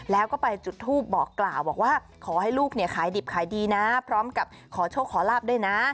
แล้วก็ไปจุดทูปบอกกล่าวบอกว่าขอให้ลูกเนี่ยขายดิบขายดีนะพร้อมกับขอโชคขอลาบด้วยนะ